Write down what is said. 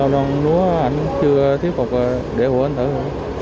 đoán nói anh chưa thiếu phục để hỗn hợp